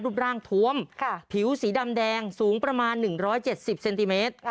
รูปร่างทวมผิวสีดำแดงสูงประมาณ๑๗๐เซนติเมตร